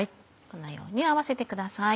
このように合わせてください。